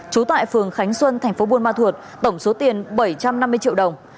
chú tại phường khánh xuân tp buôn ma thuột tổng số tiền bảy trăm năm mươi triệu đồng